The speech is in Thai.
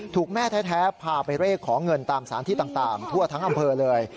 แม่แท้พาไปเร่ขอเงินตามสารที่ต่างทั่วทั้งอำเภอเลย